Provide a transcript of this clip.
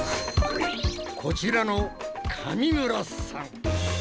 こちらの上村さん！